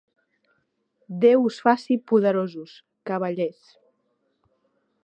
Déu us faci poderosos, cavallers.